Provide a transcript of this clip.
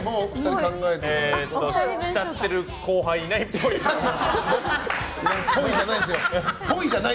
慕ってる後輩いないっぽい。